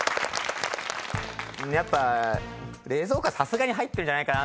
やっぱ「冷蔵庫」はさすがに入ってるんじゃないかなと思って。